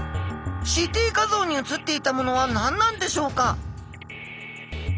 ＣＴ画像に写っていたものは何なんでしょうか？